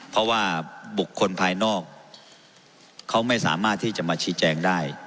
เพราะว่าบุคคลภายนอกเขาไม่สามารถที่จะมาชี้แจงได้